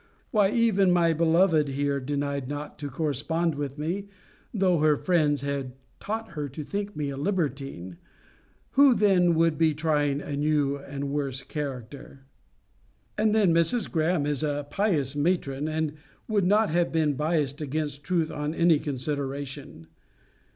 Why, even my beloved here denied not to correspond with me, though her friends had taught her to think me a libertine Who then would be trying a new and worse character? And then Mrs. Greme is a pious matron, and would not have been biased against truth on any consideration.